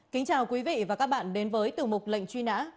kính chào quý vị và các bạn đến với tiểu mục lệnh truy nã